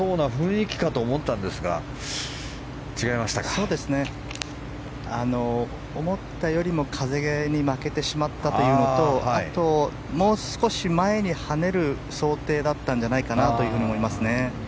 そうですね、思ったよりも風に負けてしまったのとあと、もう少し前に跳ねる想定だったんじゃないかなと思いますね。